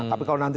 tapi kalau nanti